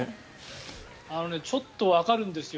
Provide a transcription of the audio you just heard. ちょっとわかるんですよ